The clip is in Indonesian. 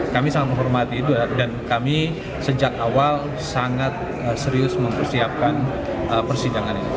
kami sangat menghormati itu dan kami sejak awal sangat serius mempersiapkan persidangan ini